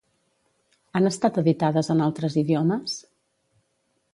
Han estat editades en altres idiomes?